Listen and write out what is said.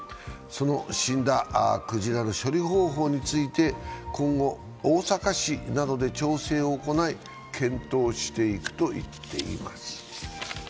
死んだクジラの処理方法について今後、大阪市などで調整を行い、検討していくと言っています。